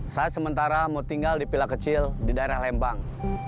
saya sementara mau tinggal di pila kecil di daerah lembang